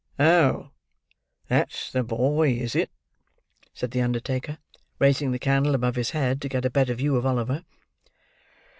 "Oh! that's the boy, is it?" said the undertaker: raising the candle above his head, to get a better view of Oliver.